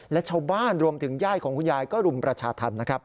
และชาวบ้านรวมถึงญาติของคุณยายก็รุมประชาธรรมนะครับ